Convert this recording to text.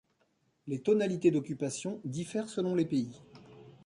Les tonalités d'occupation diffèrent selon les pays.